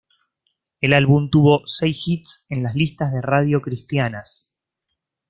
El álbum tuvo seis hits en las listas de radio cristianas.